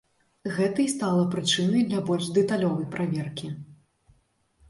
Гэта і стала прычынай для больш дэталёвай праверкі.